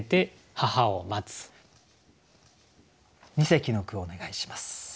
二席の句をお願いします。